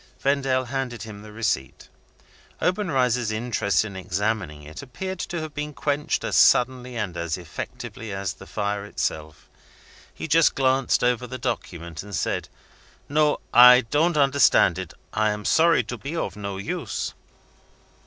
Vendale handed him the receipt. Obenreizer's interest in examining it appeared to have been quenched as suddenly and as effectually as the fire itself. He just glanced over the document, and said, "No; I don't understand it! I am sorry to be of no use."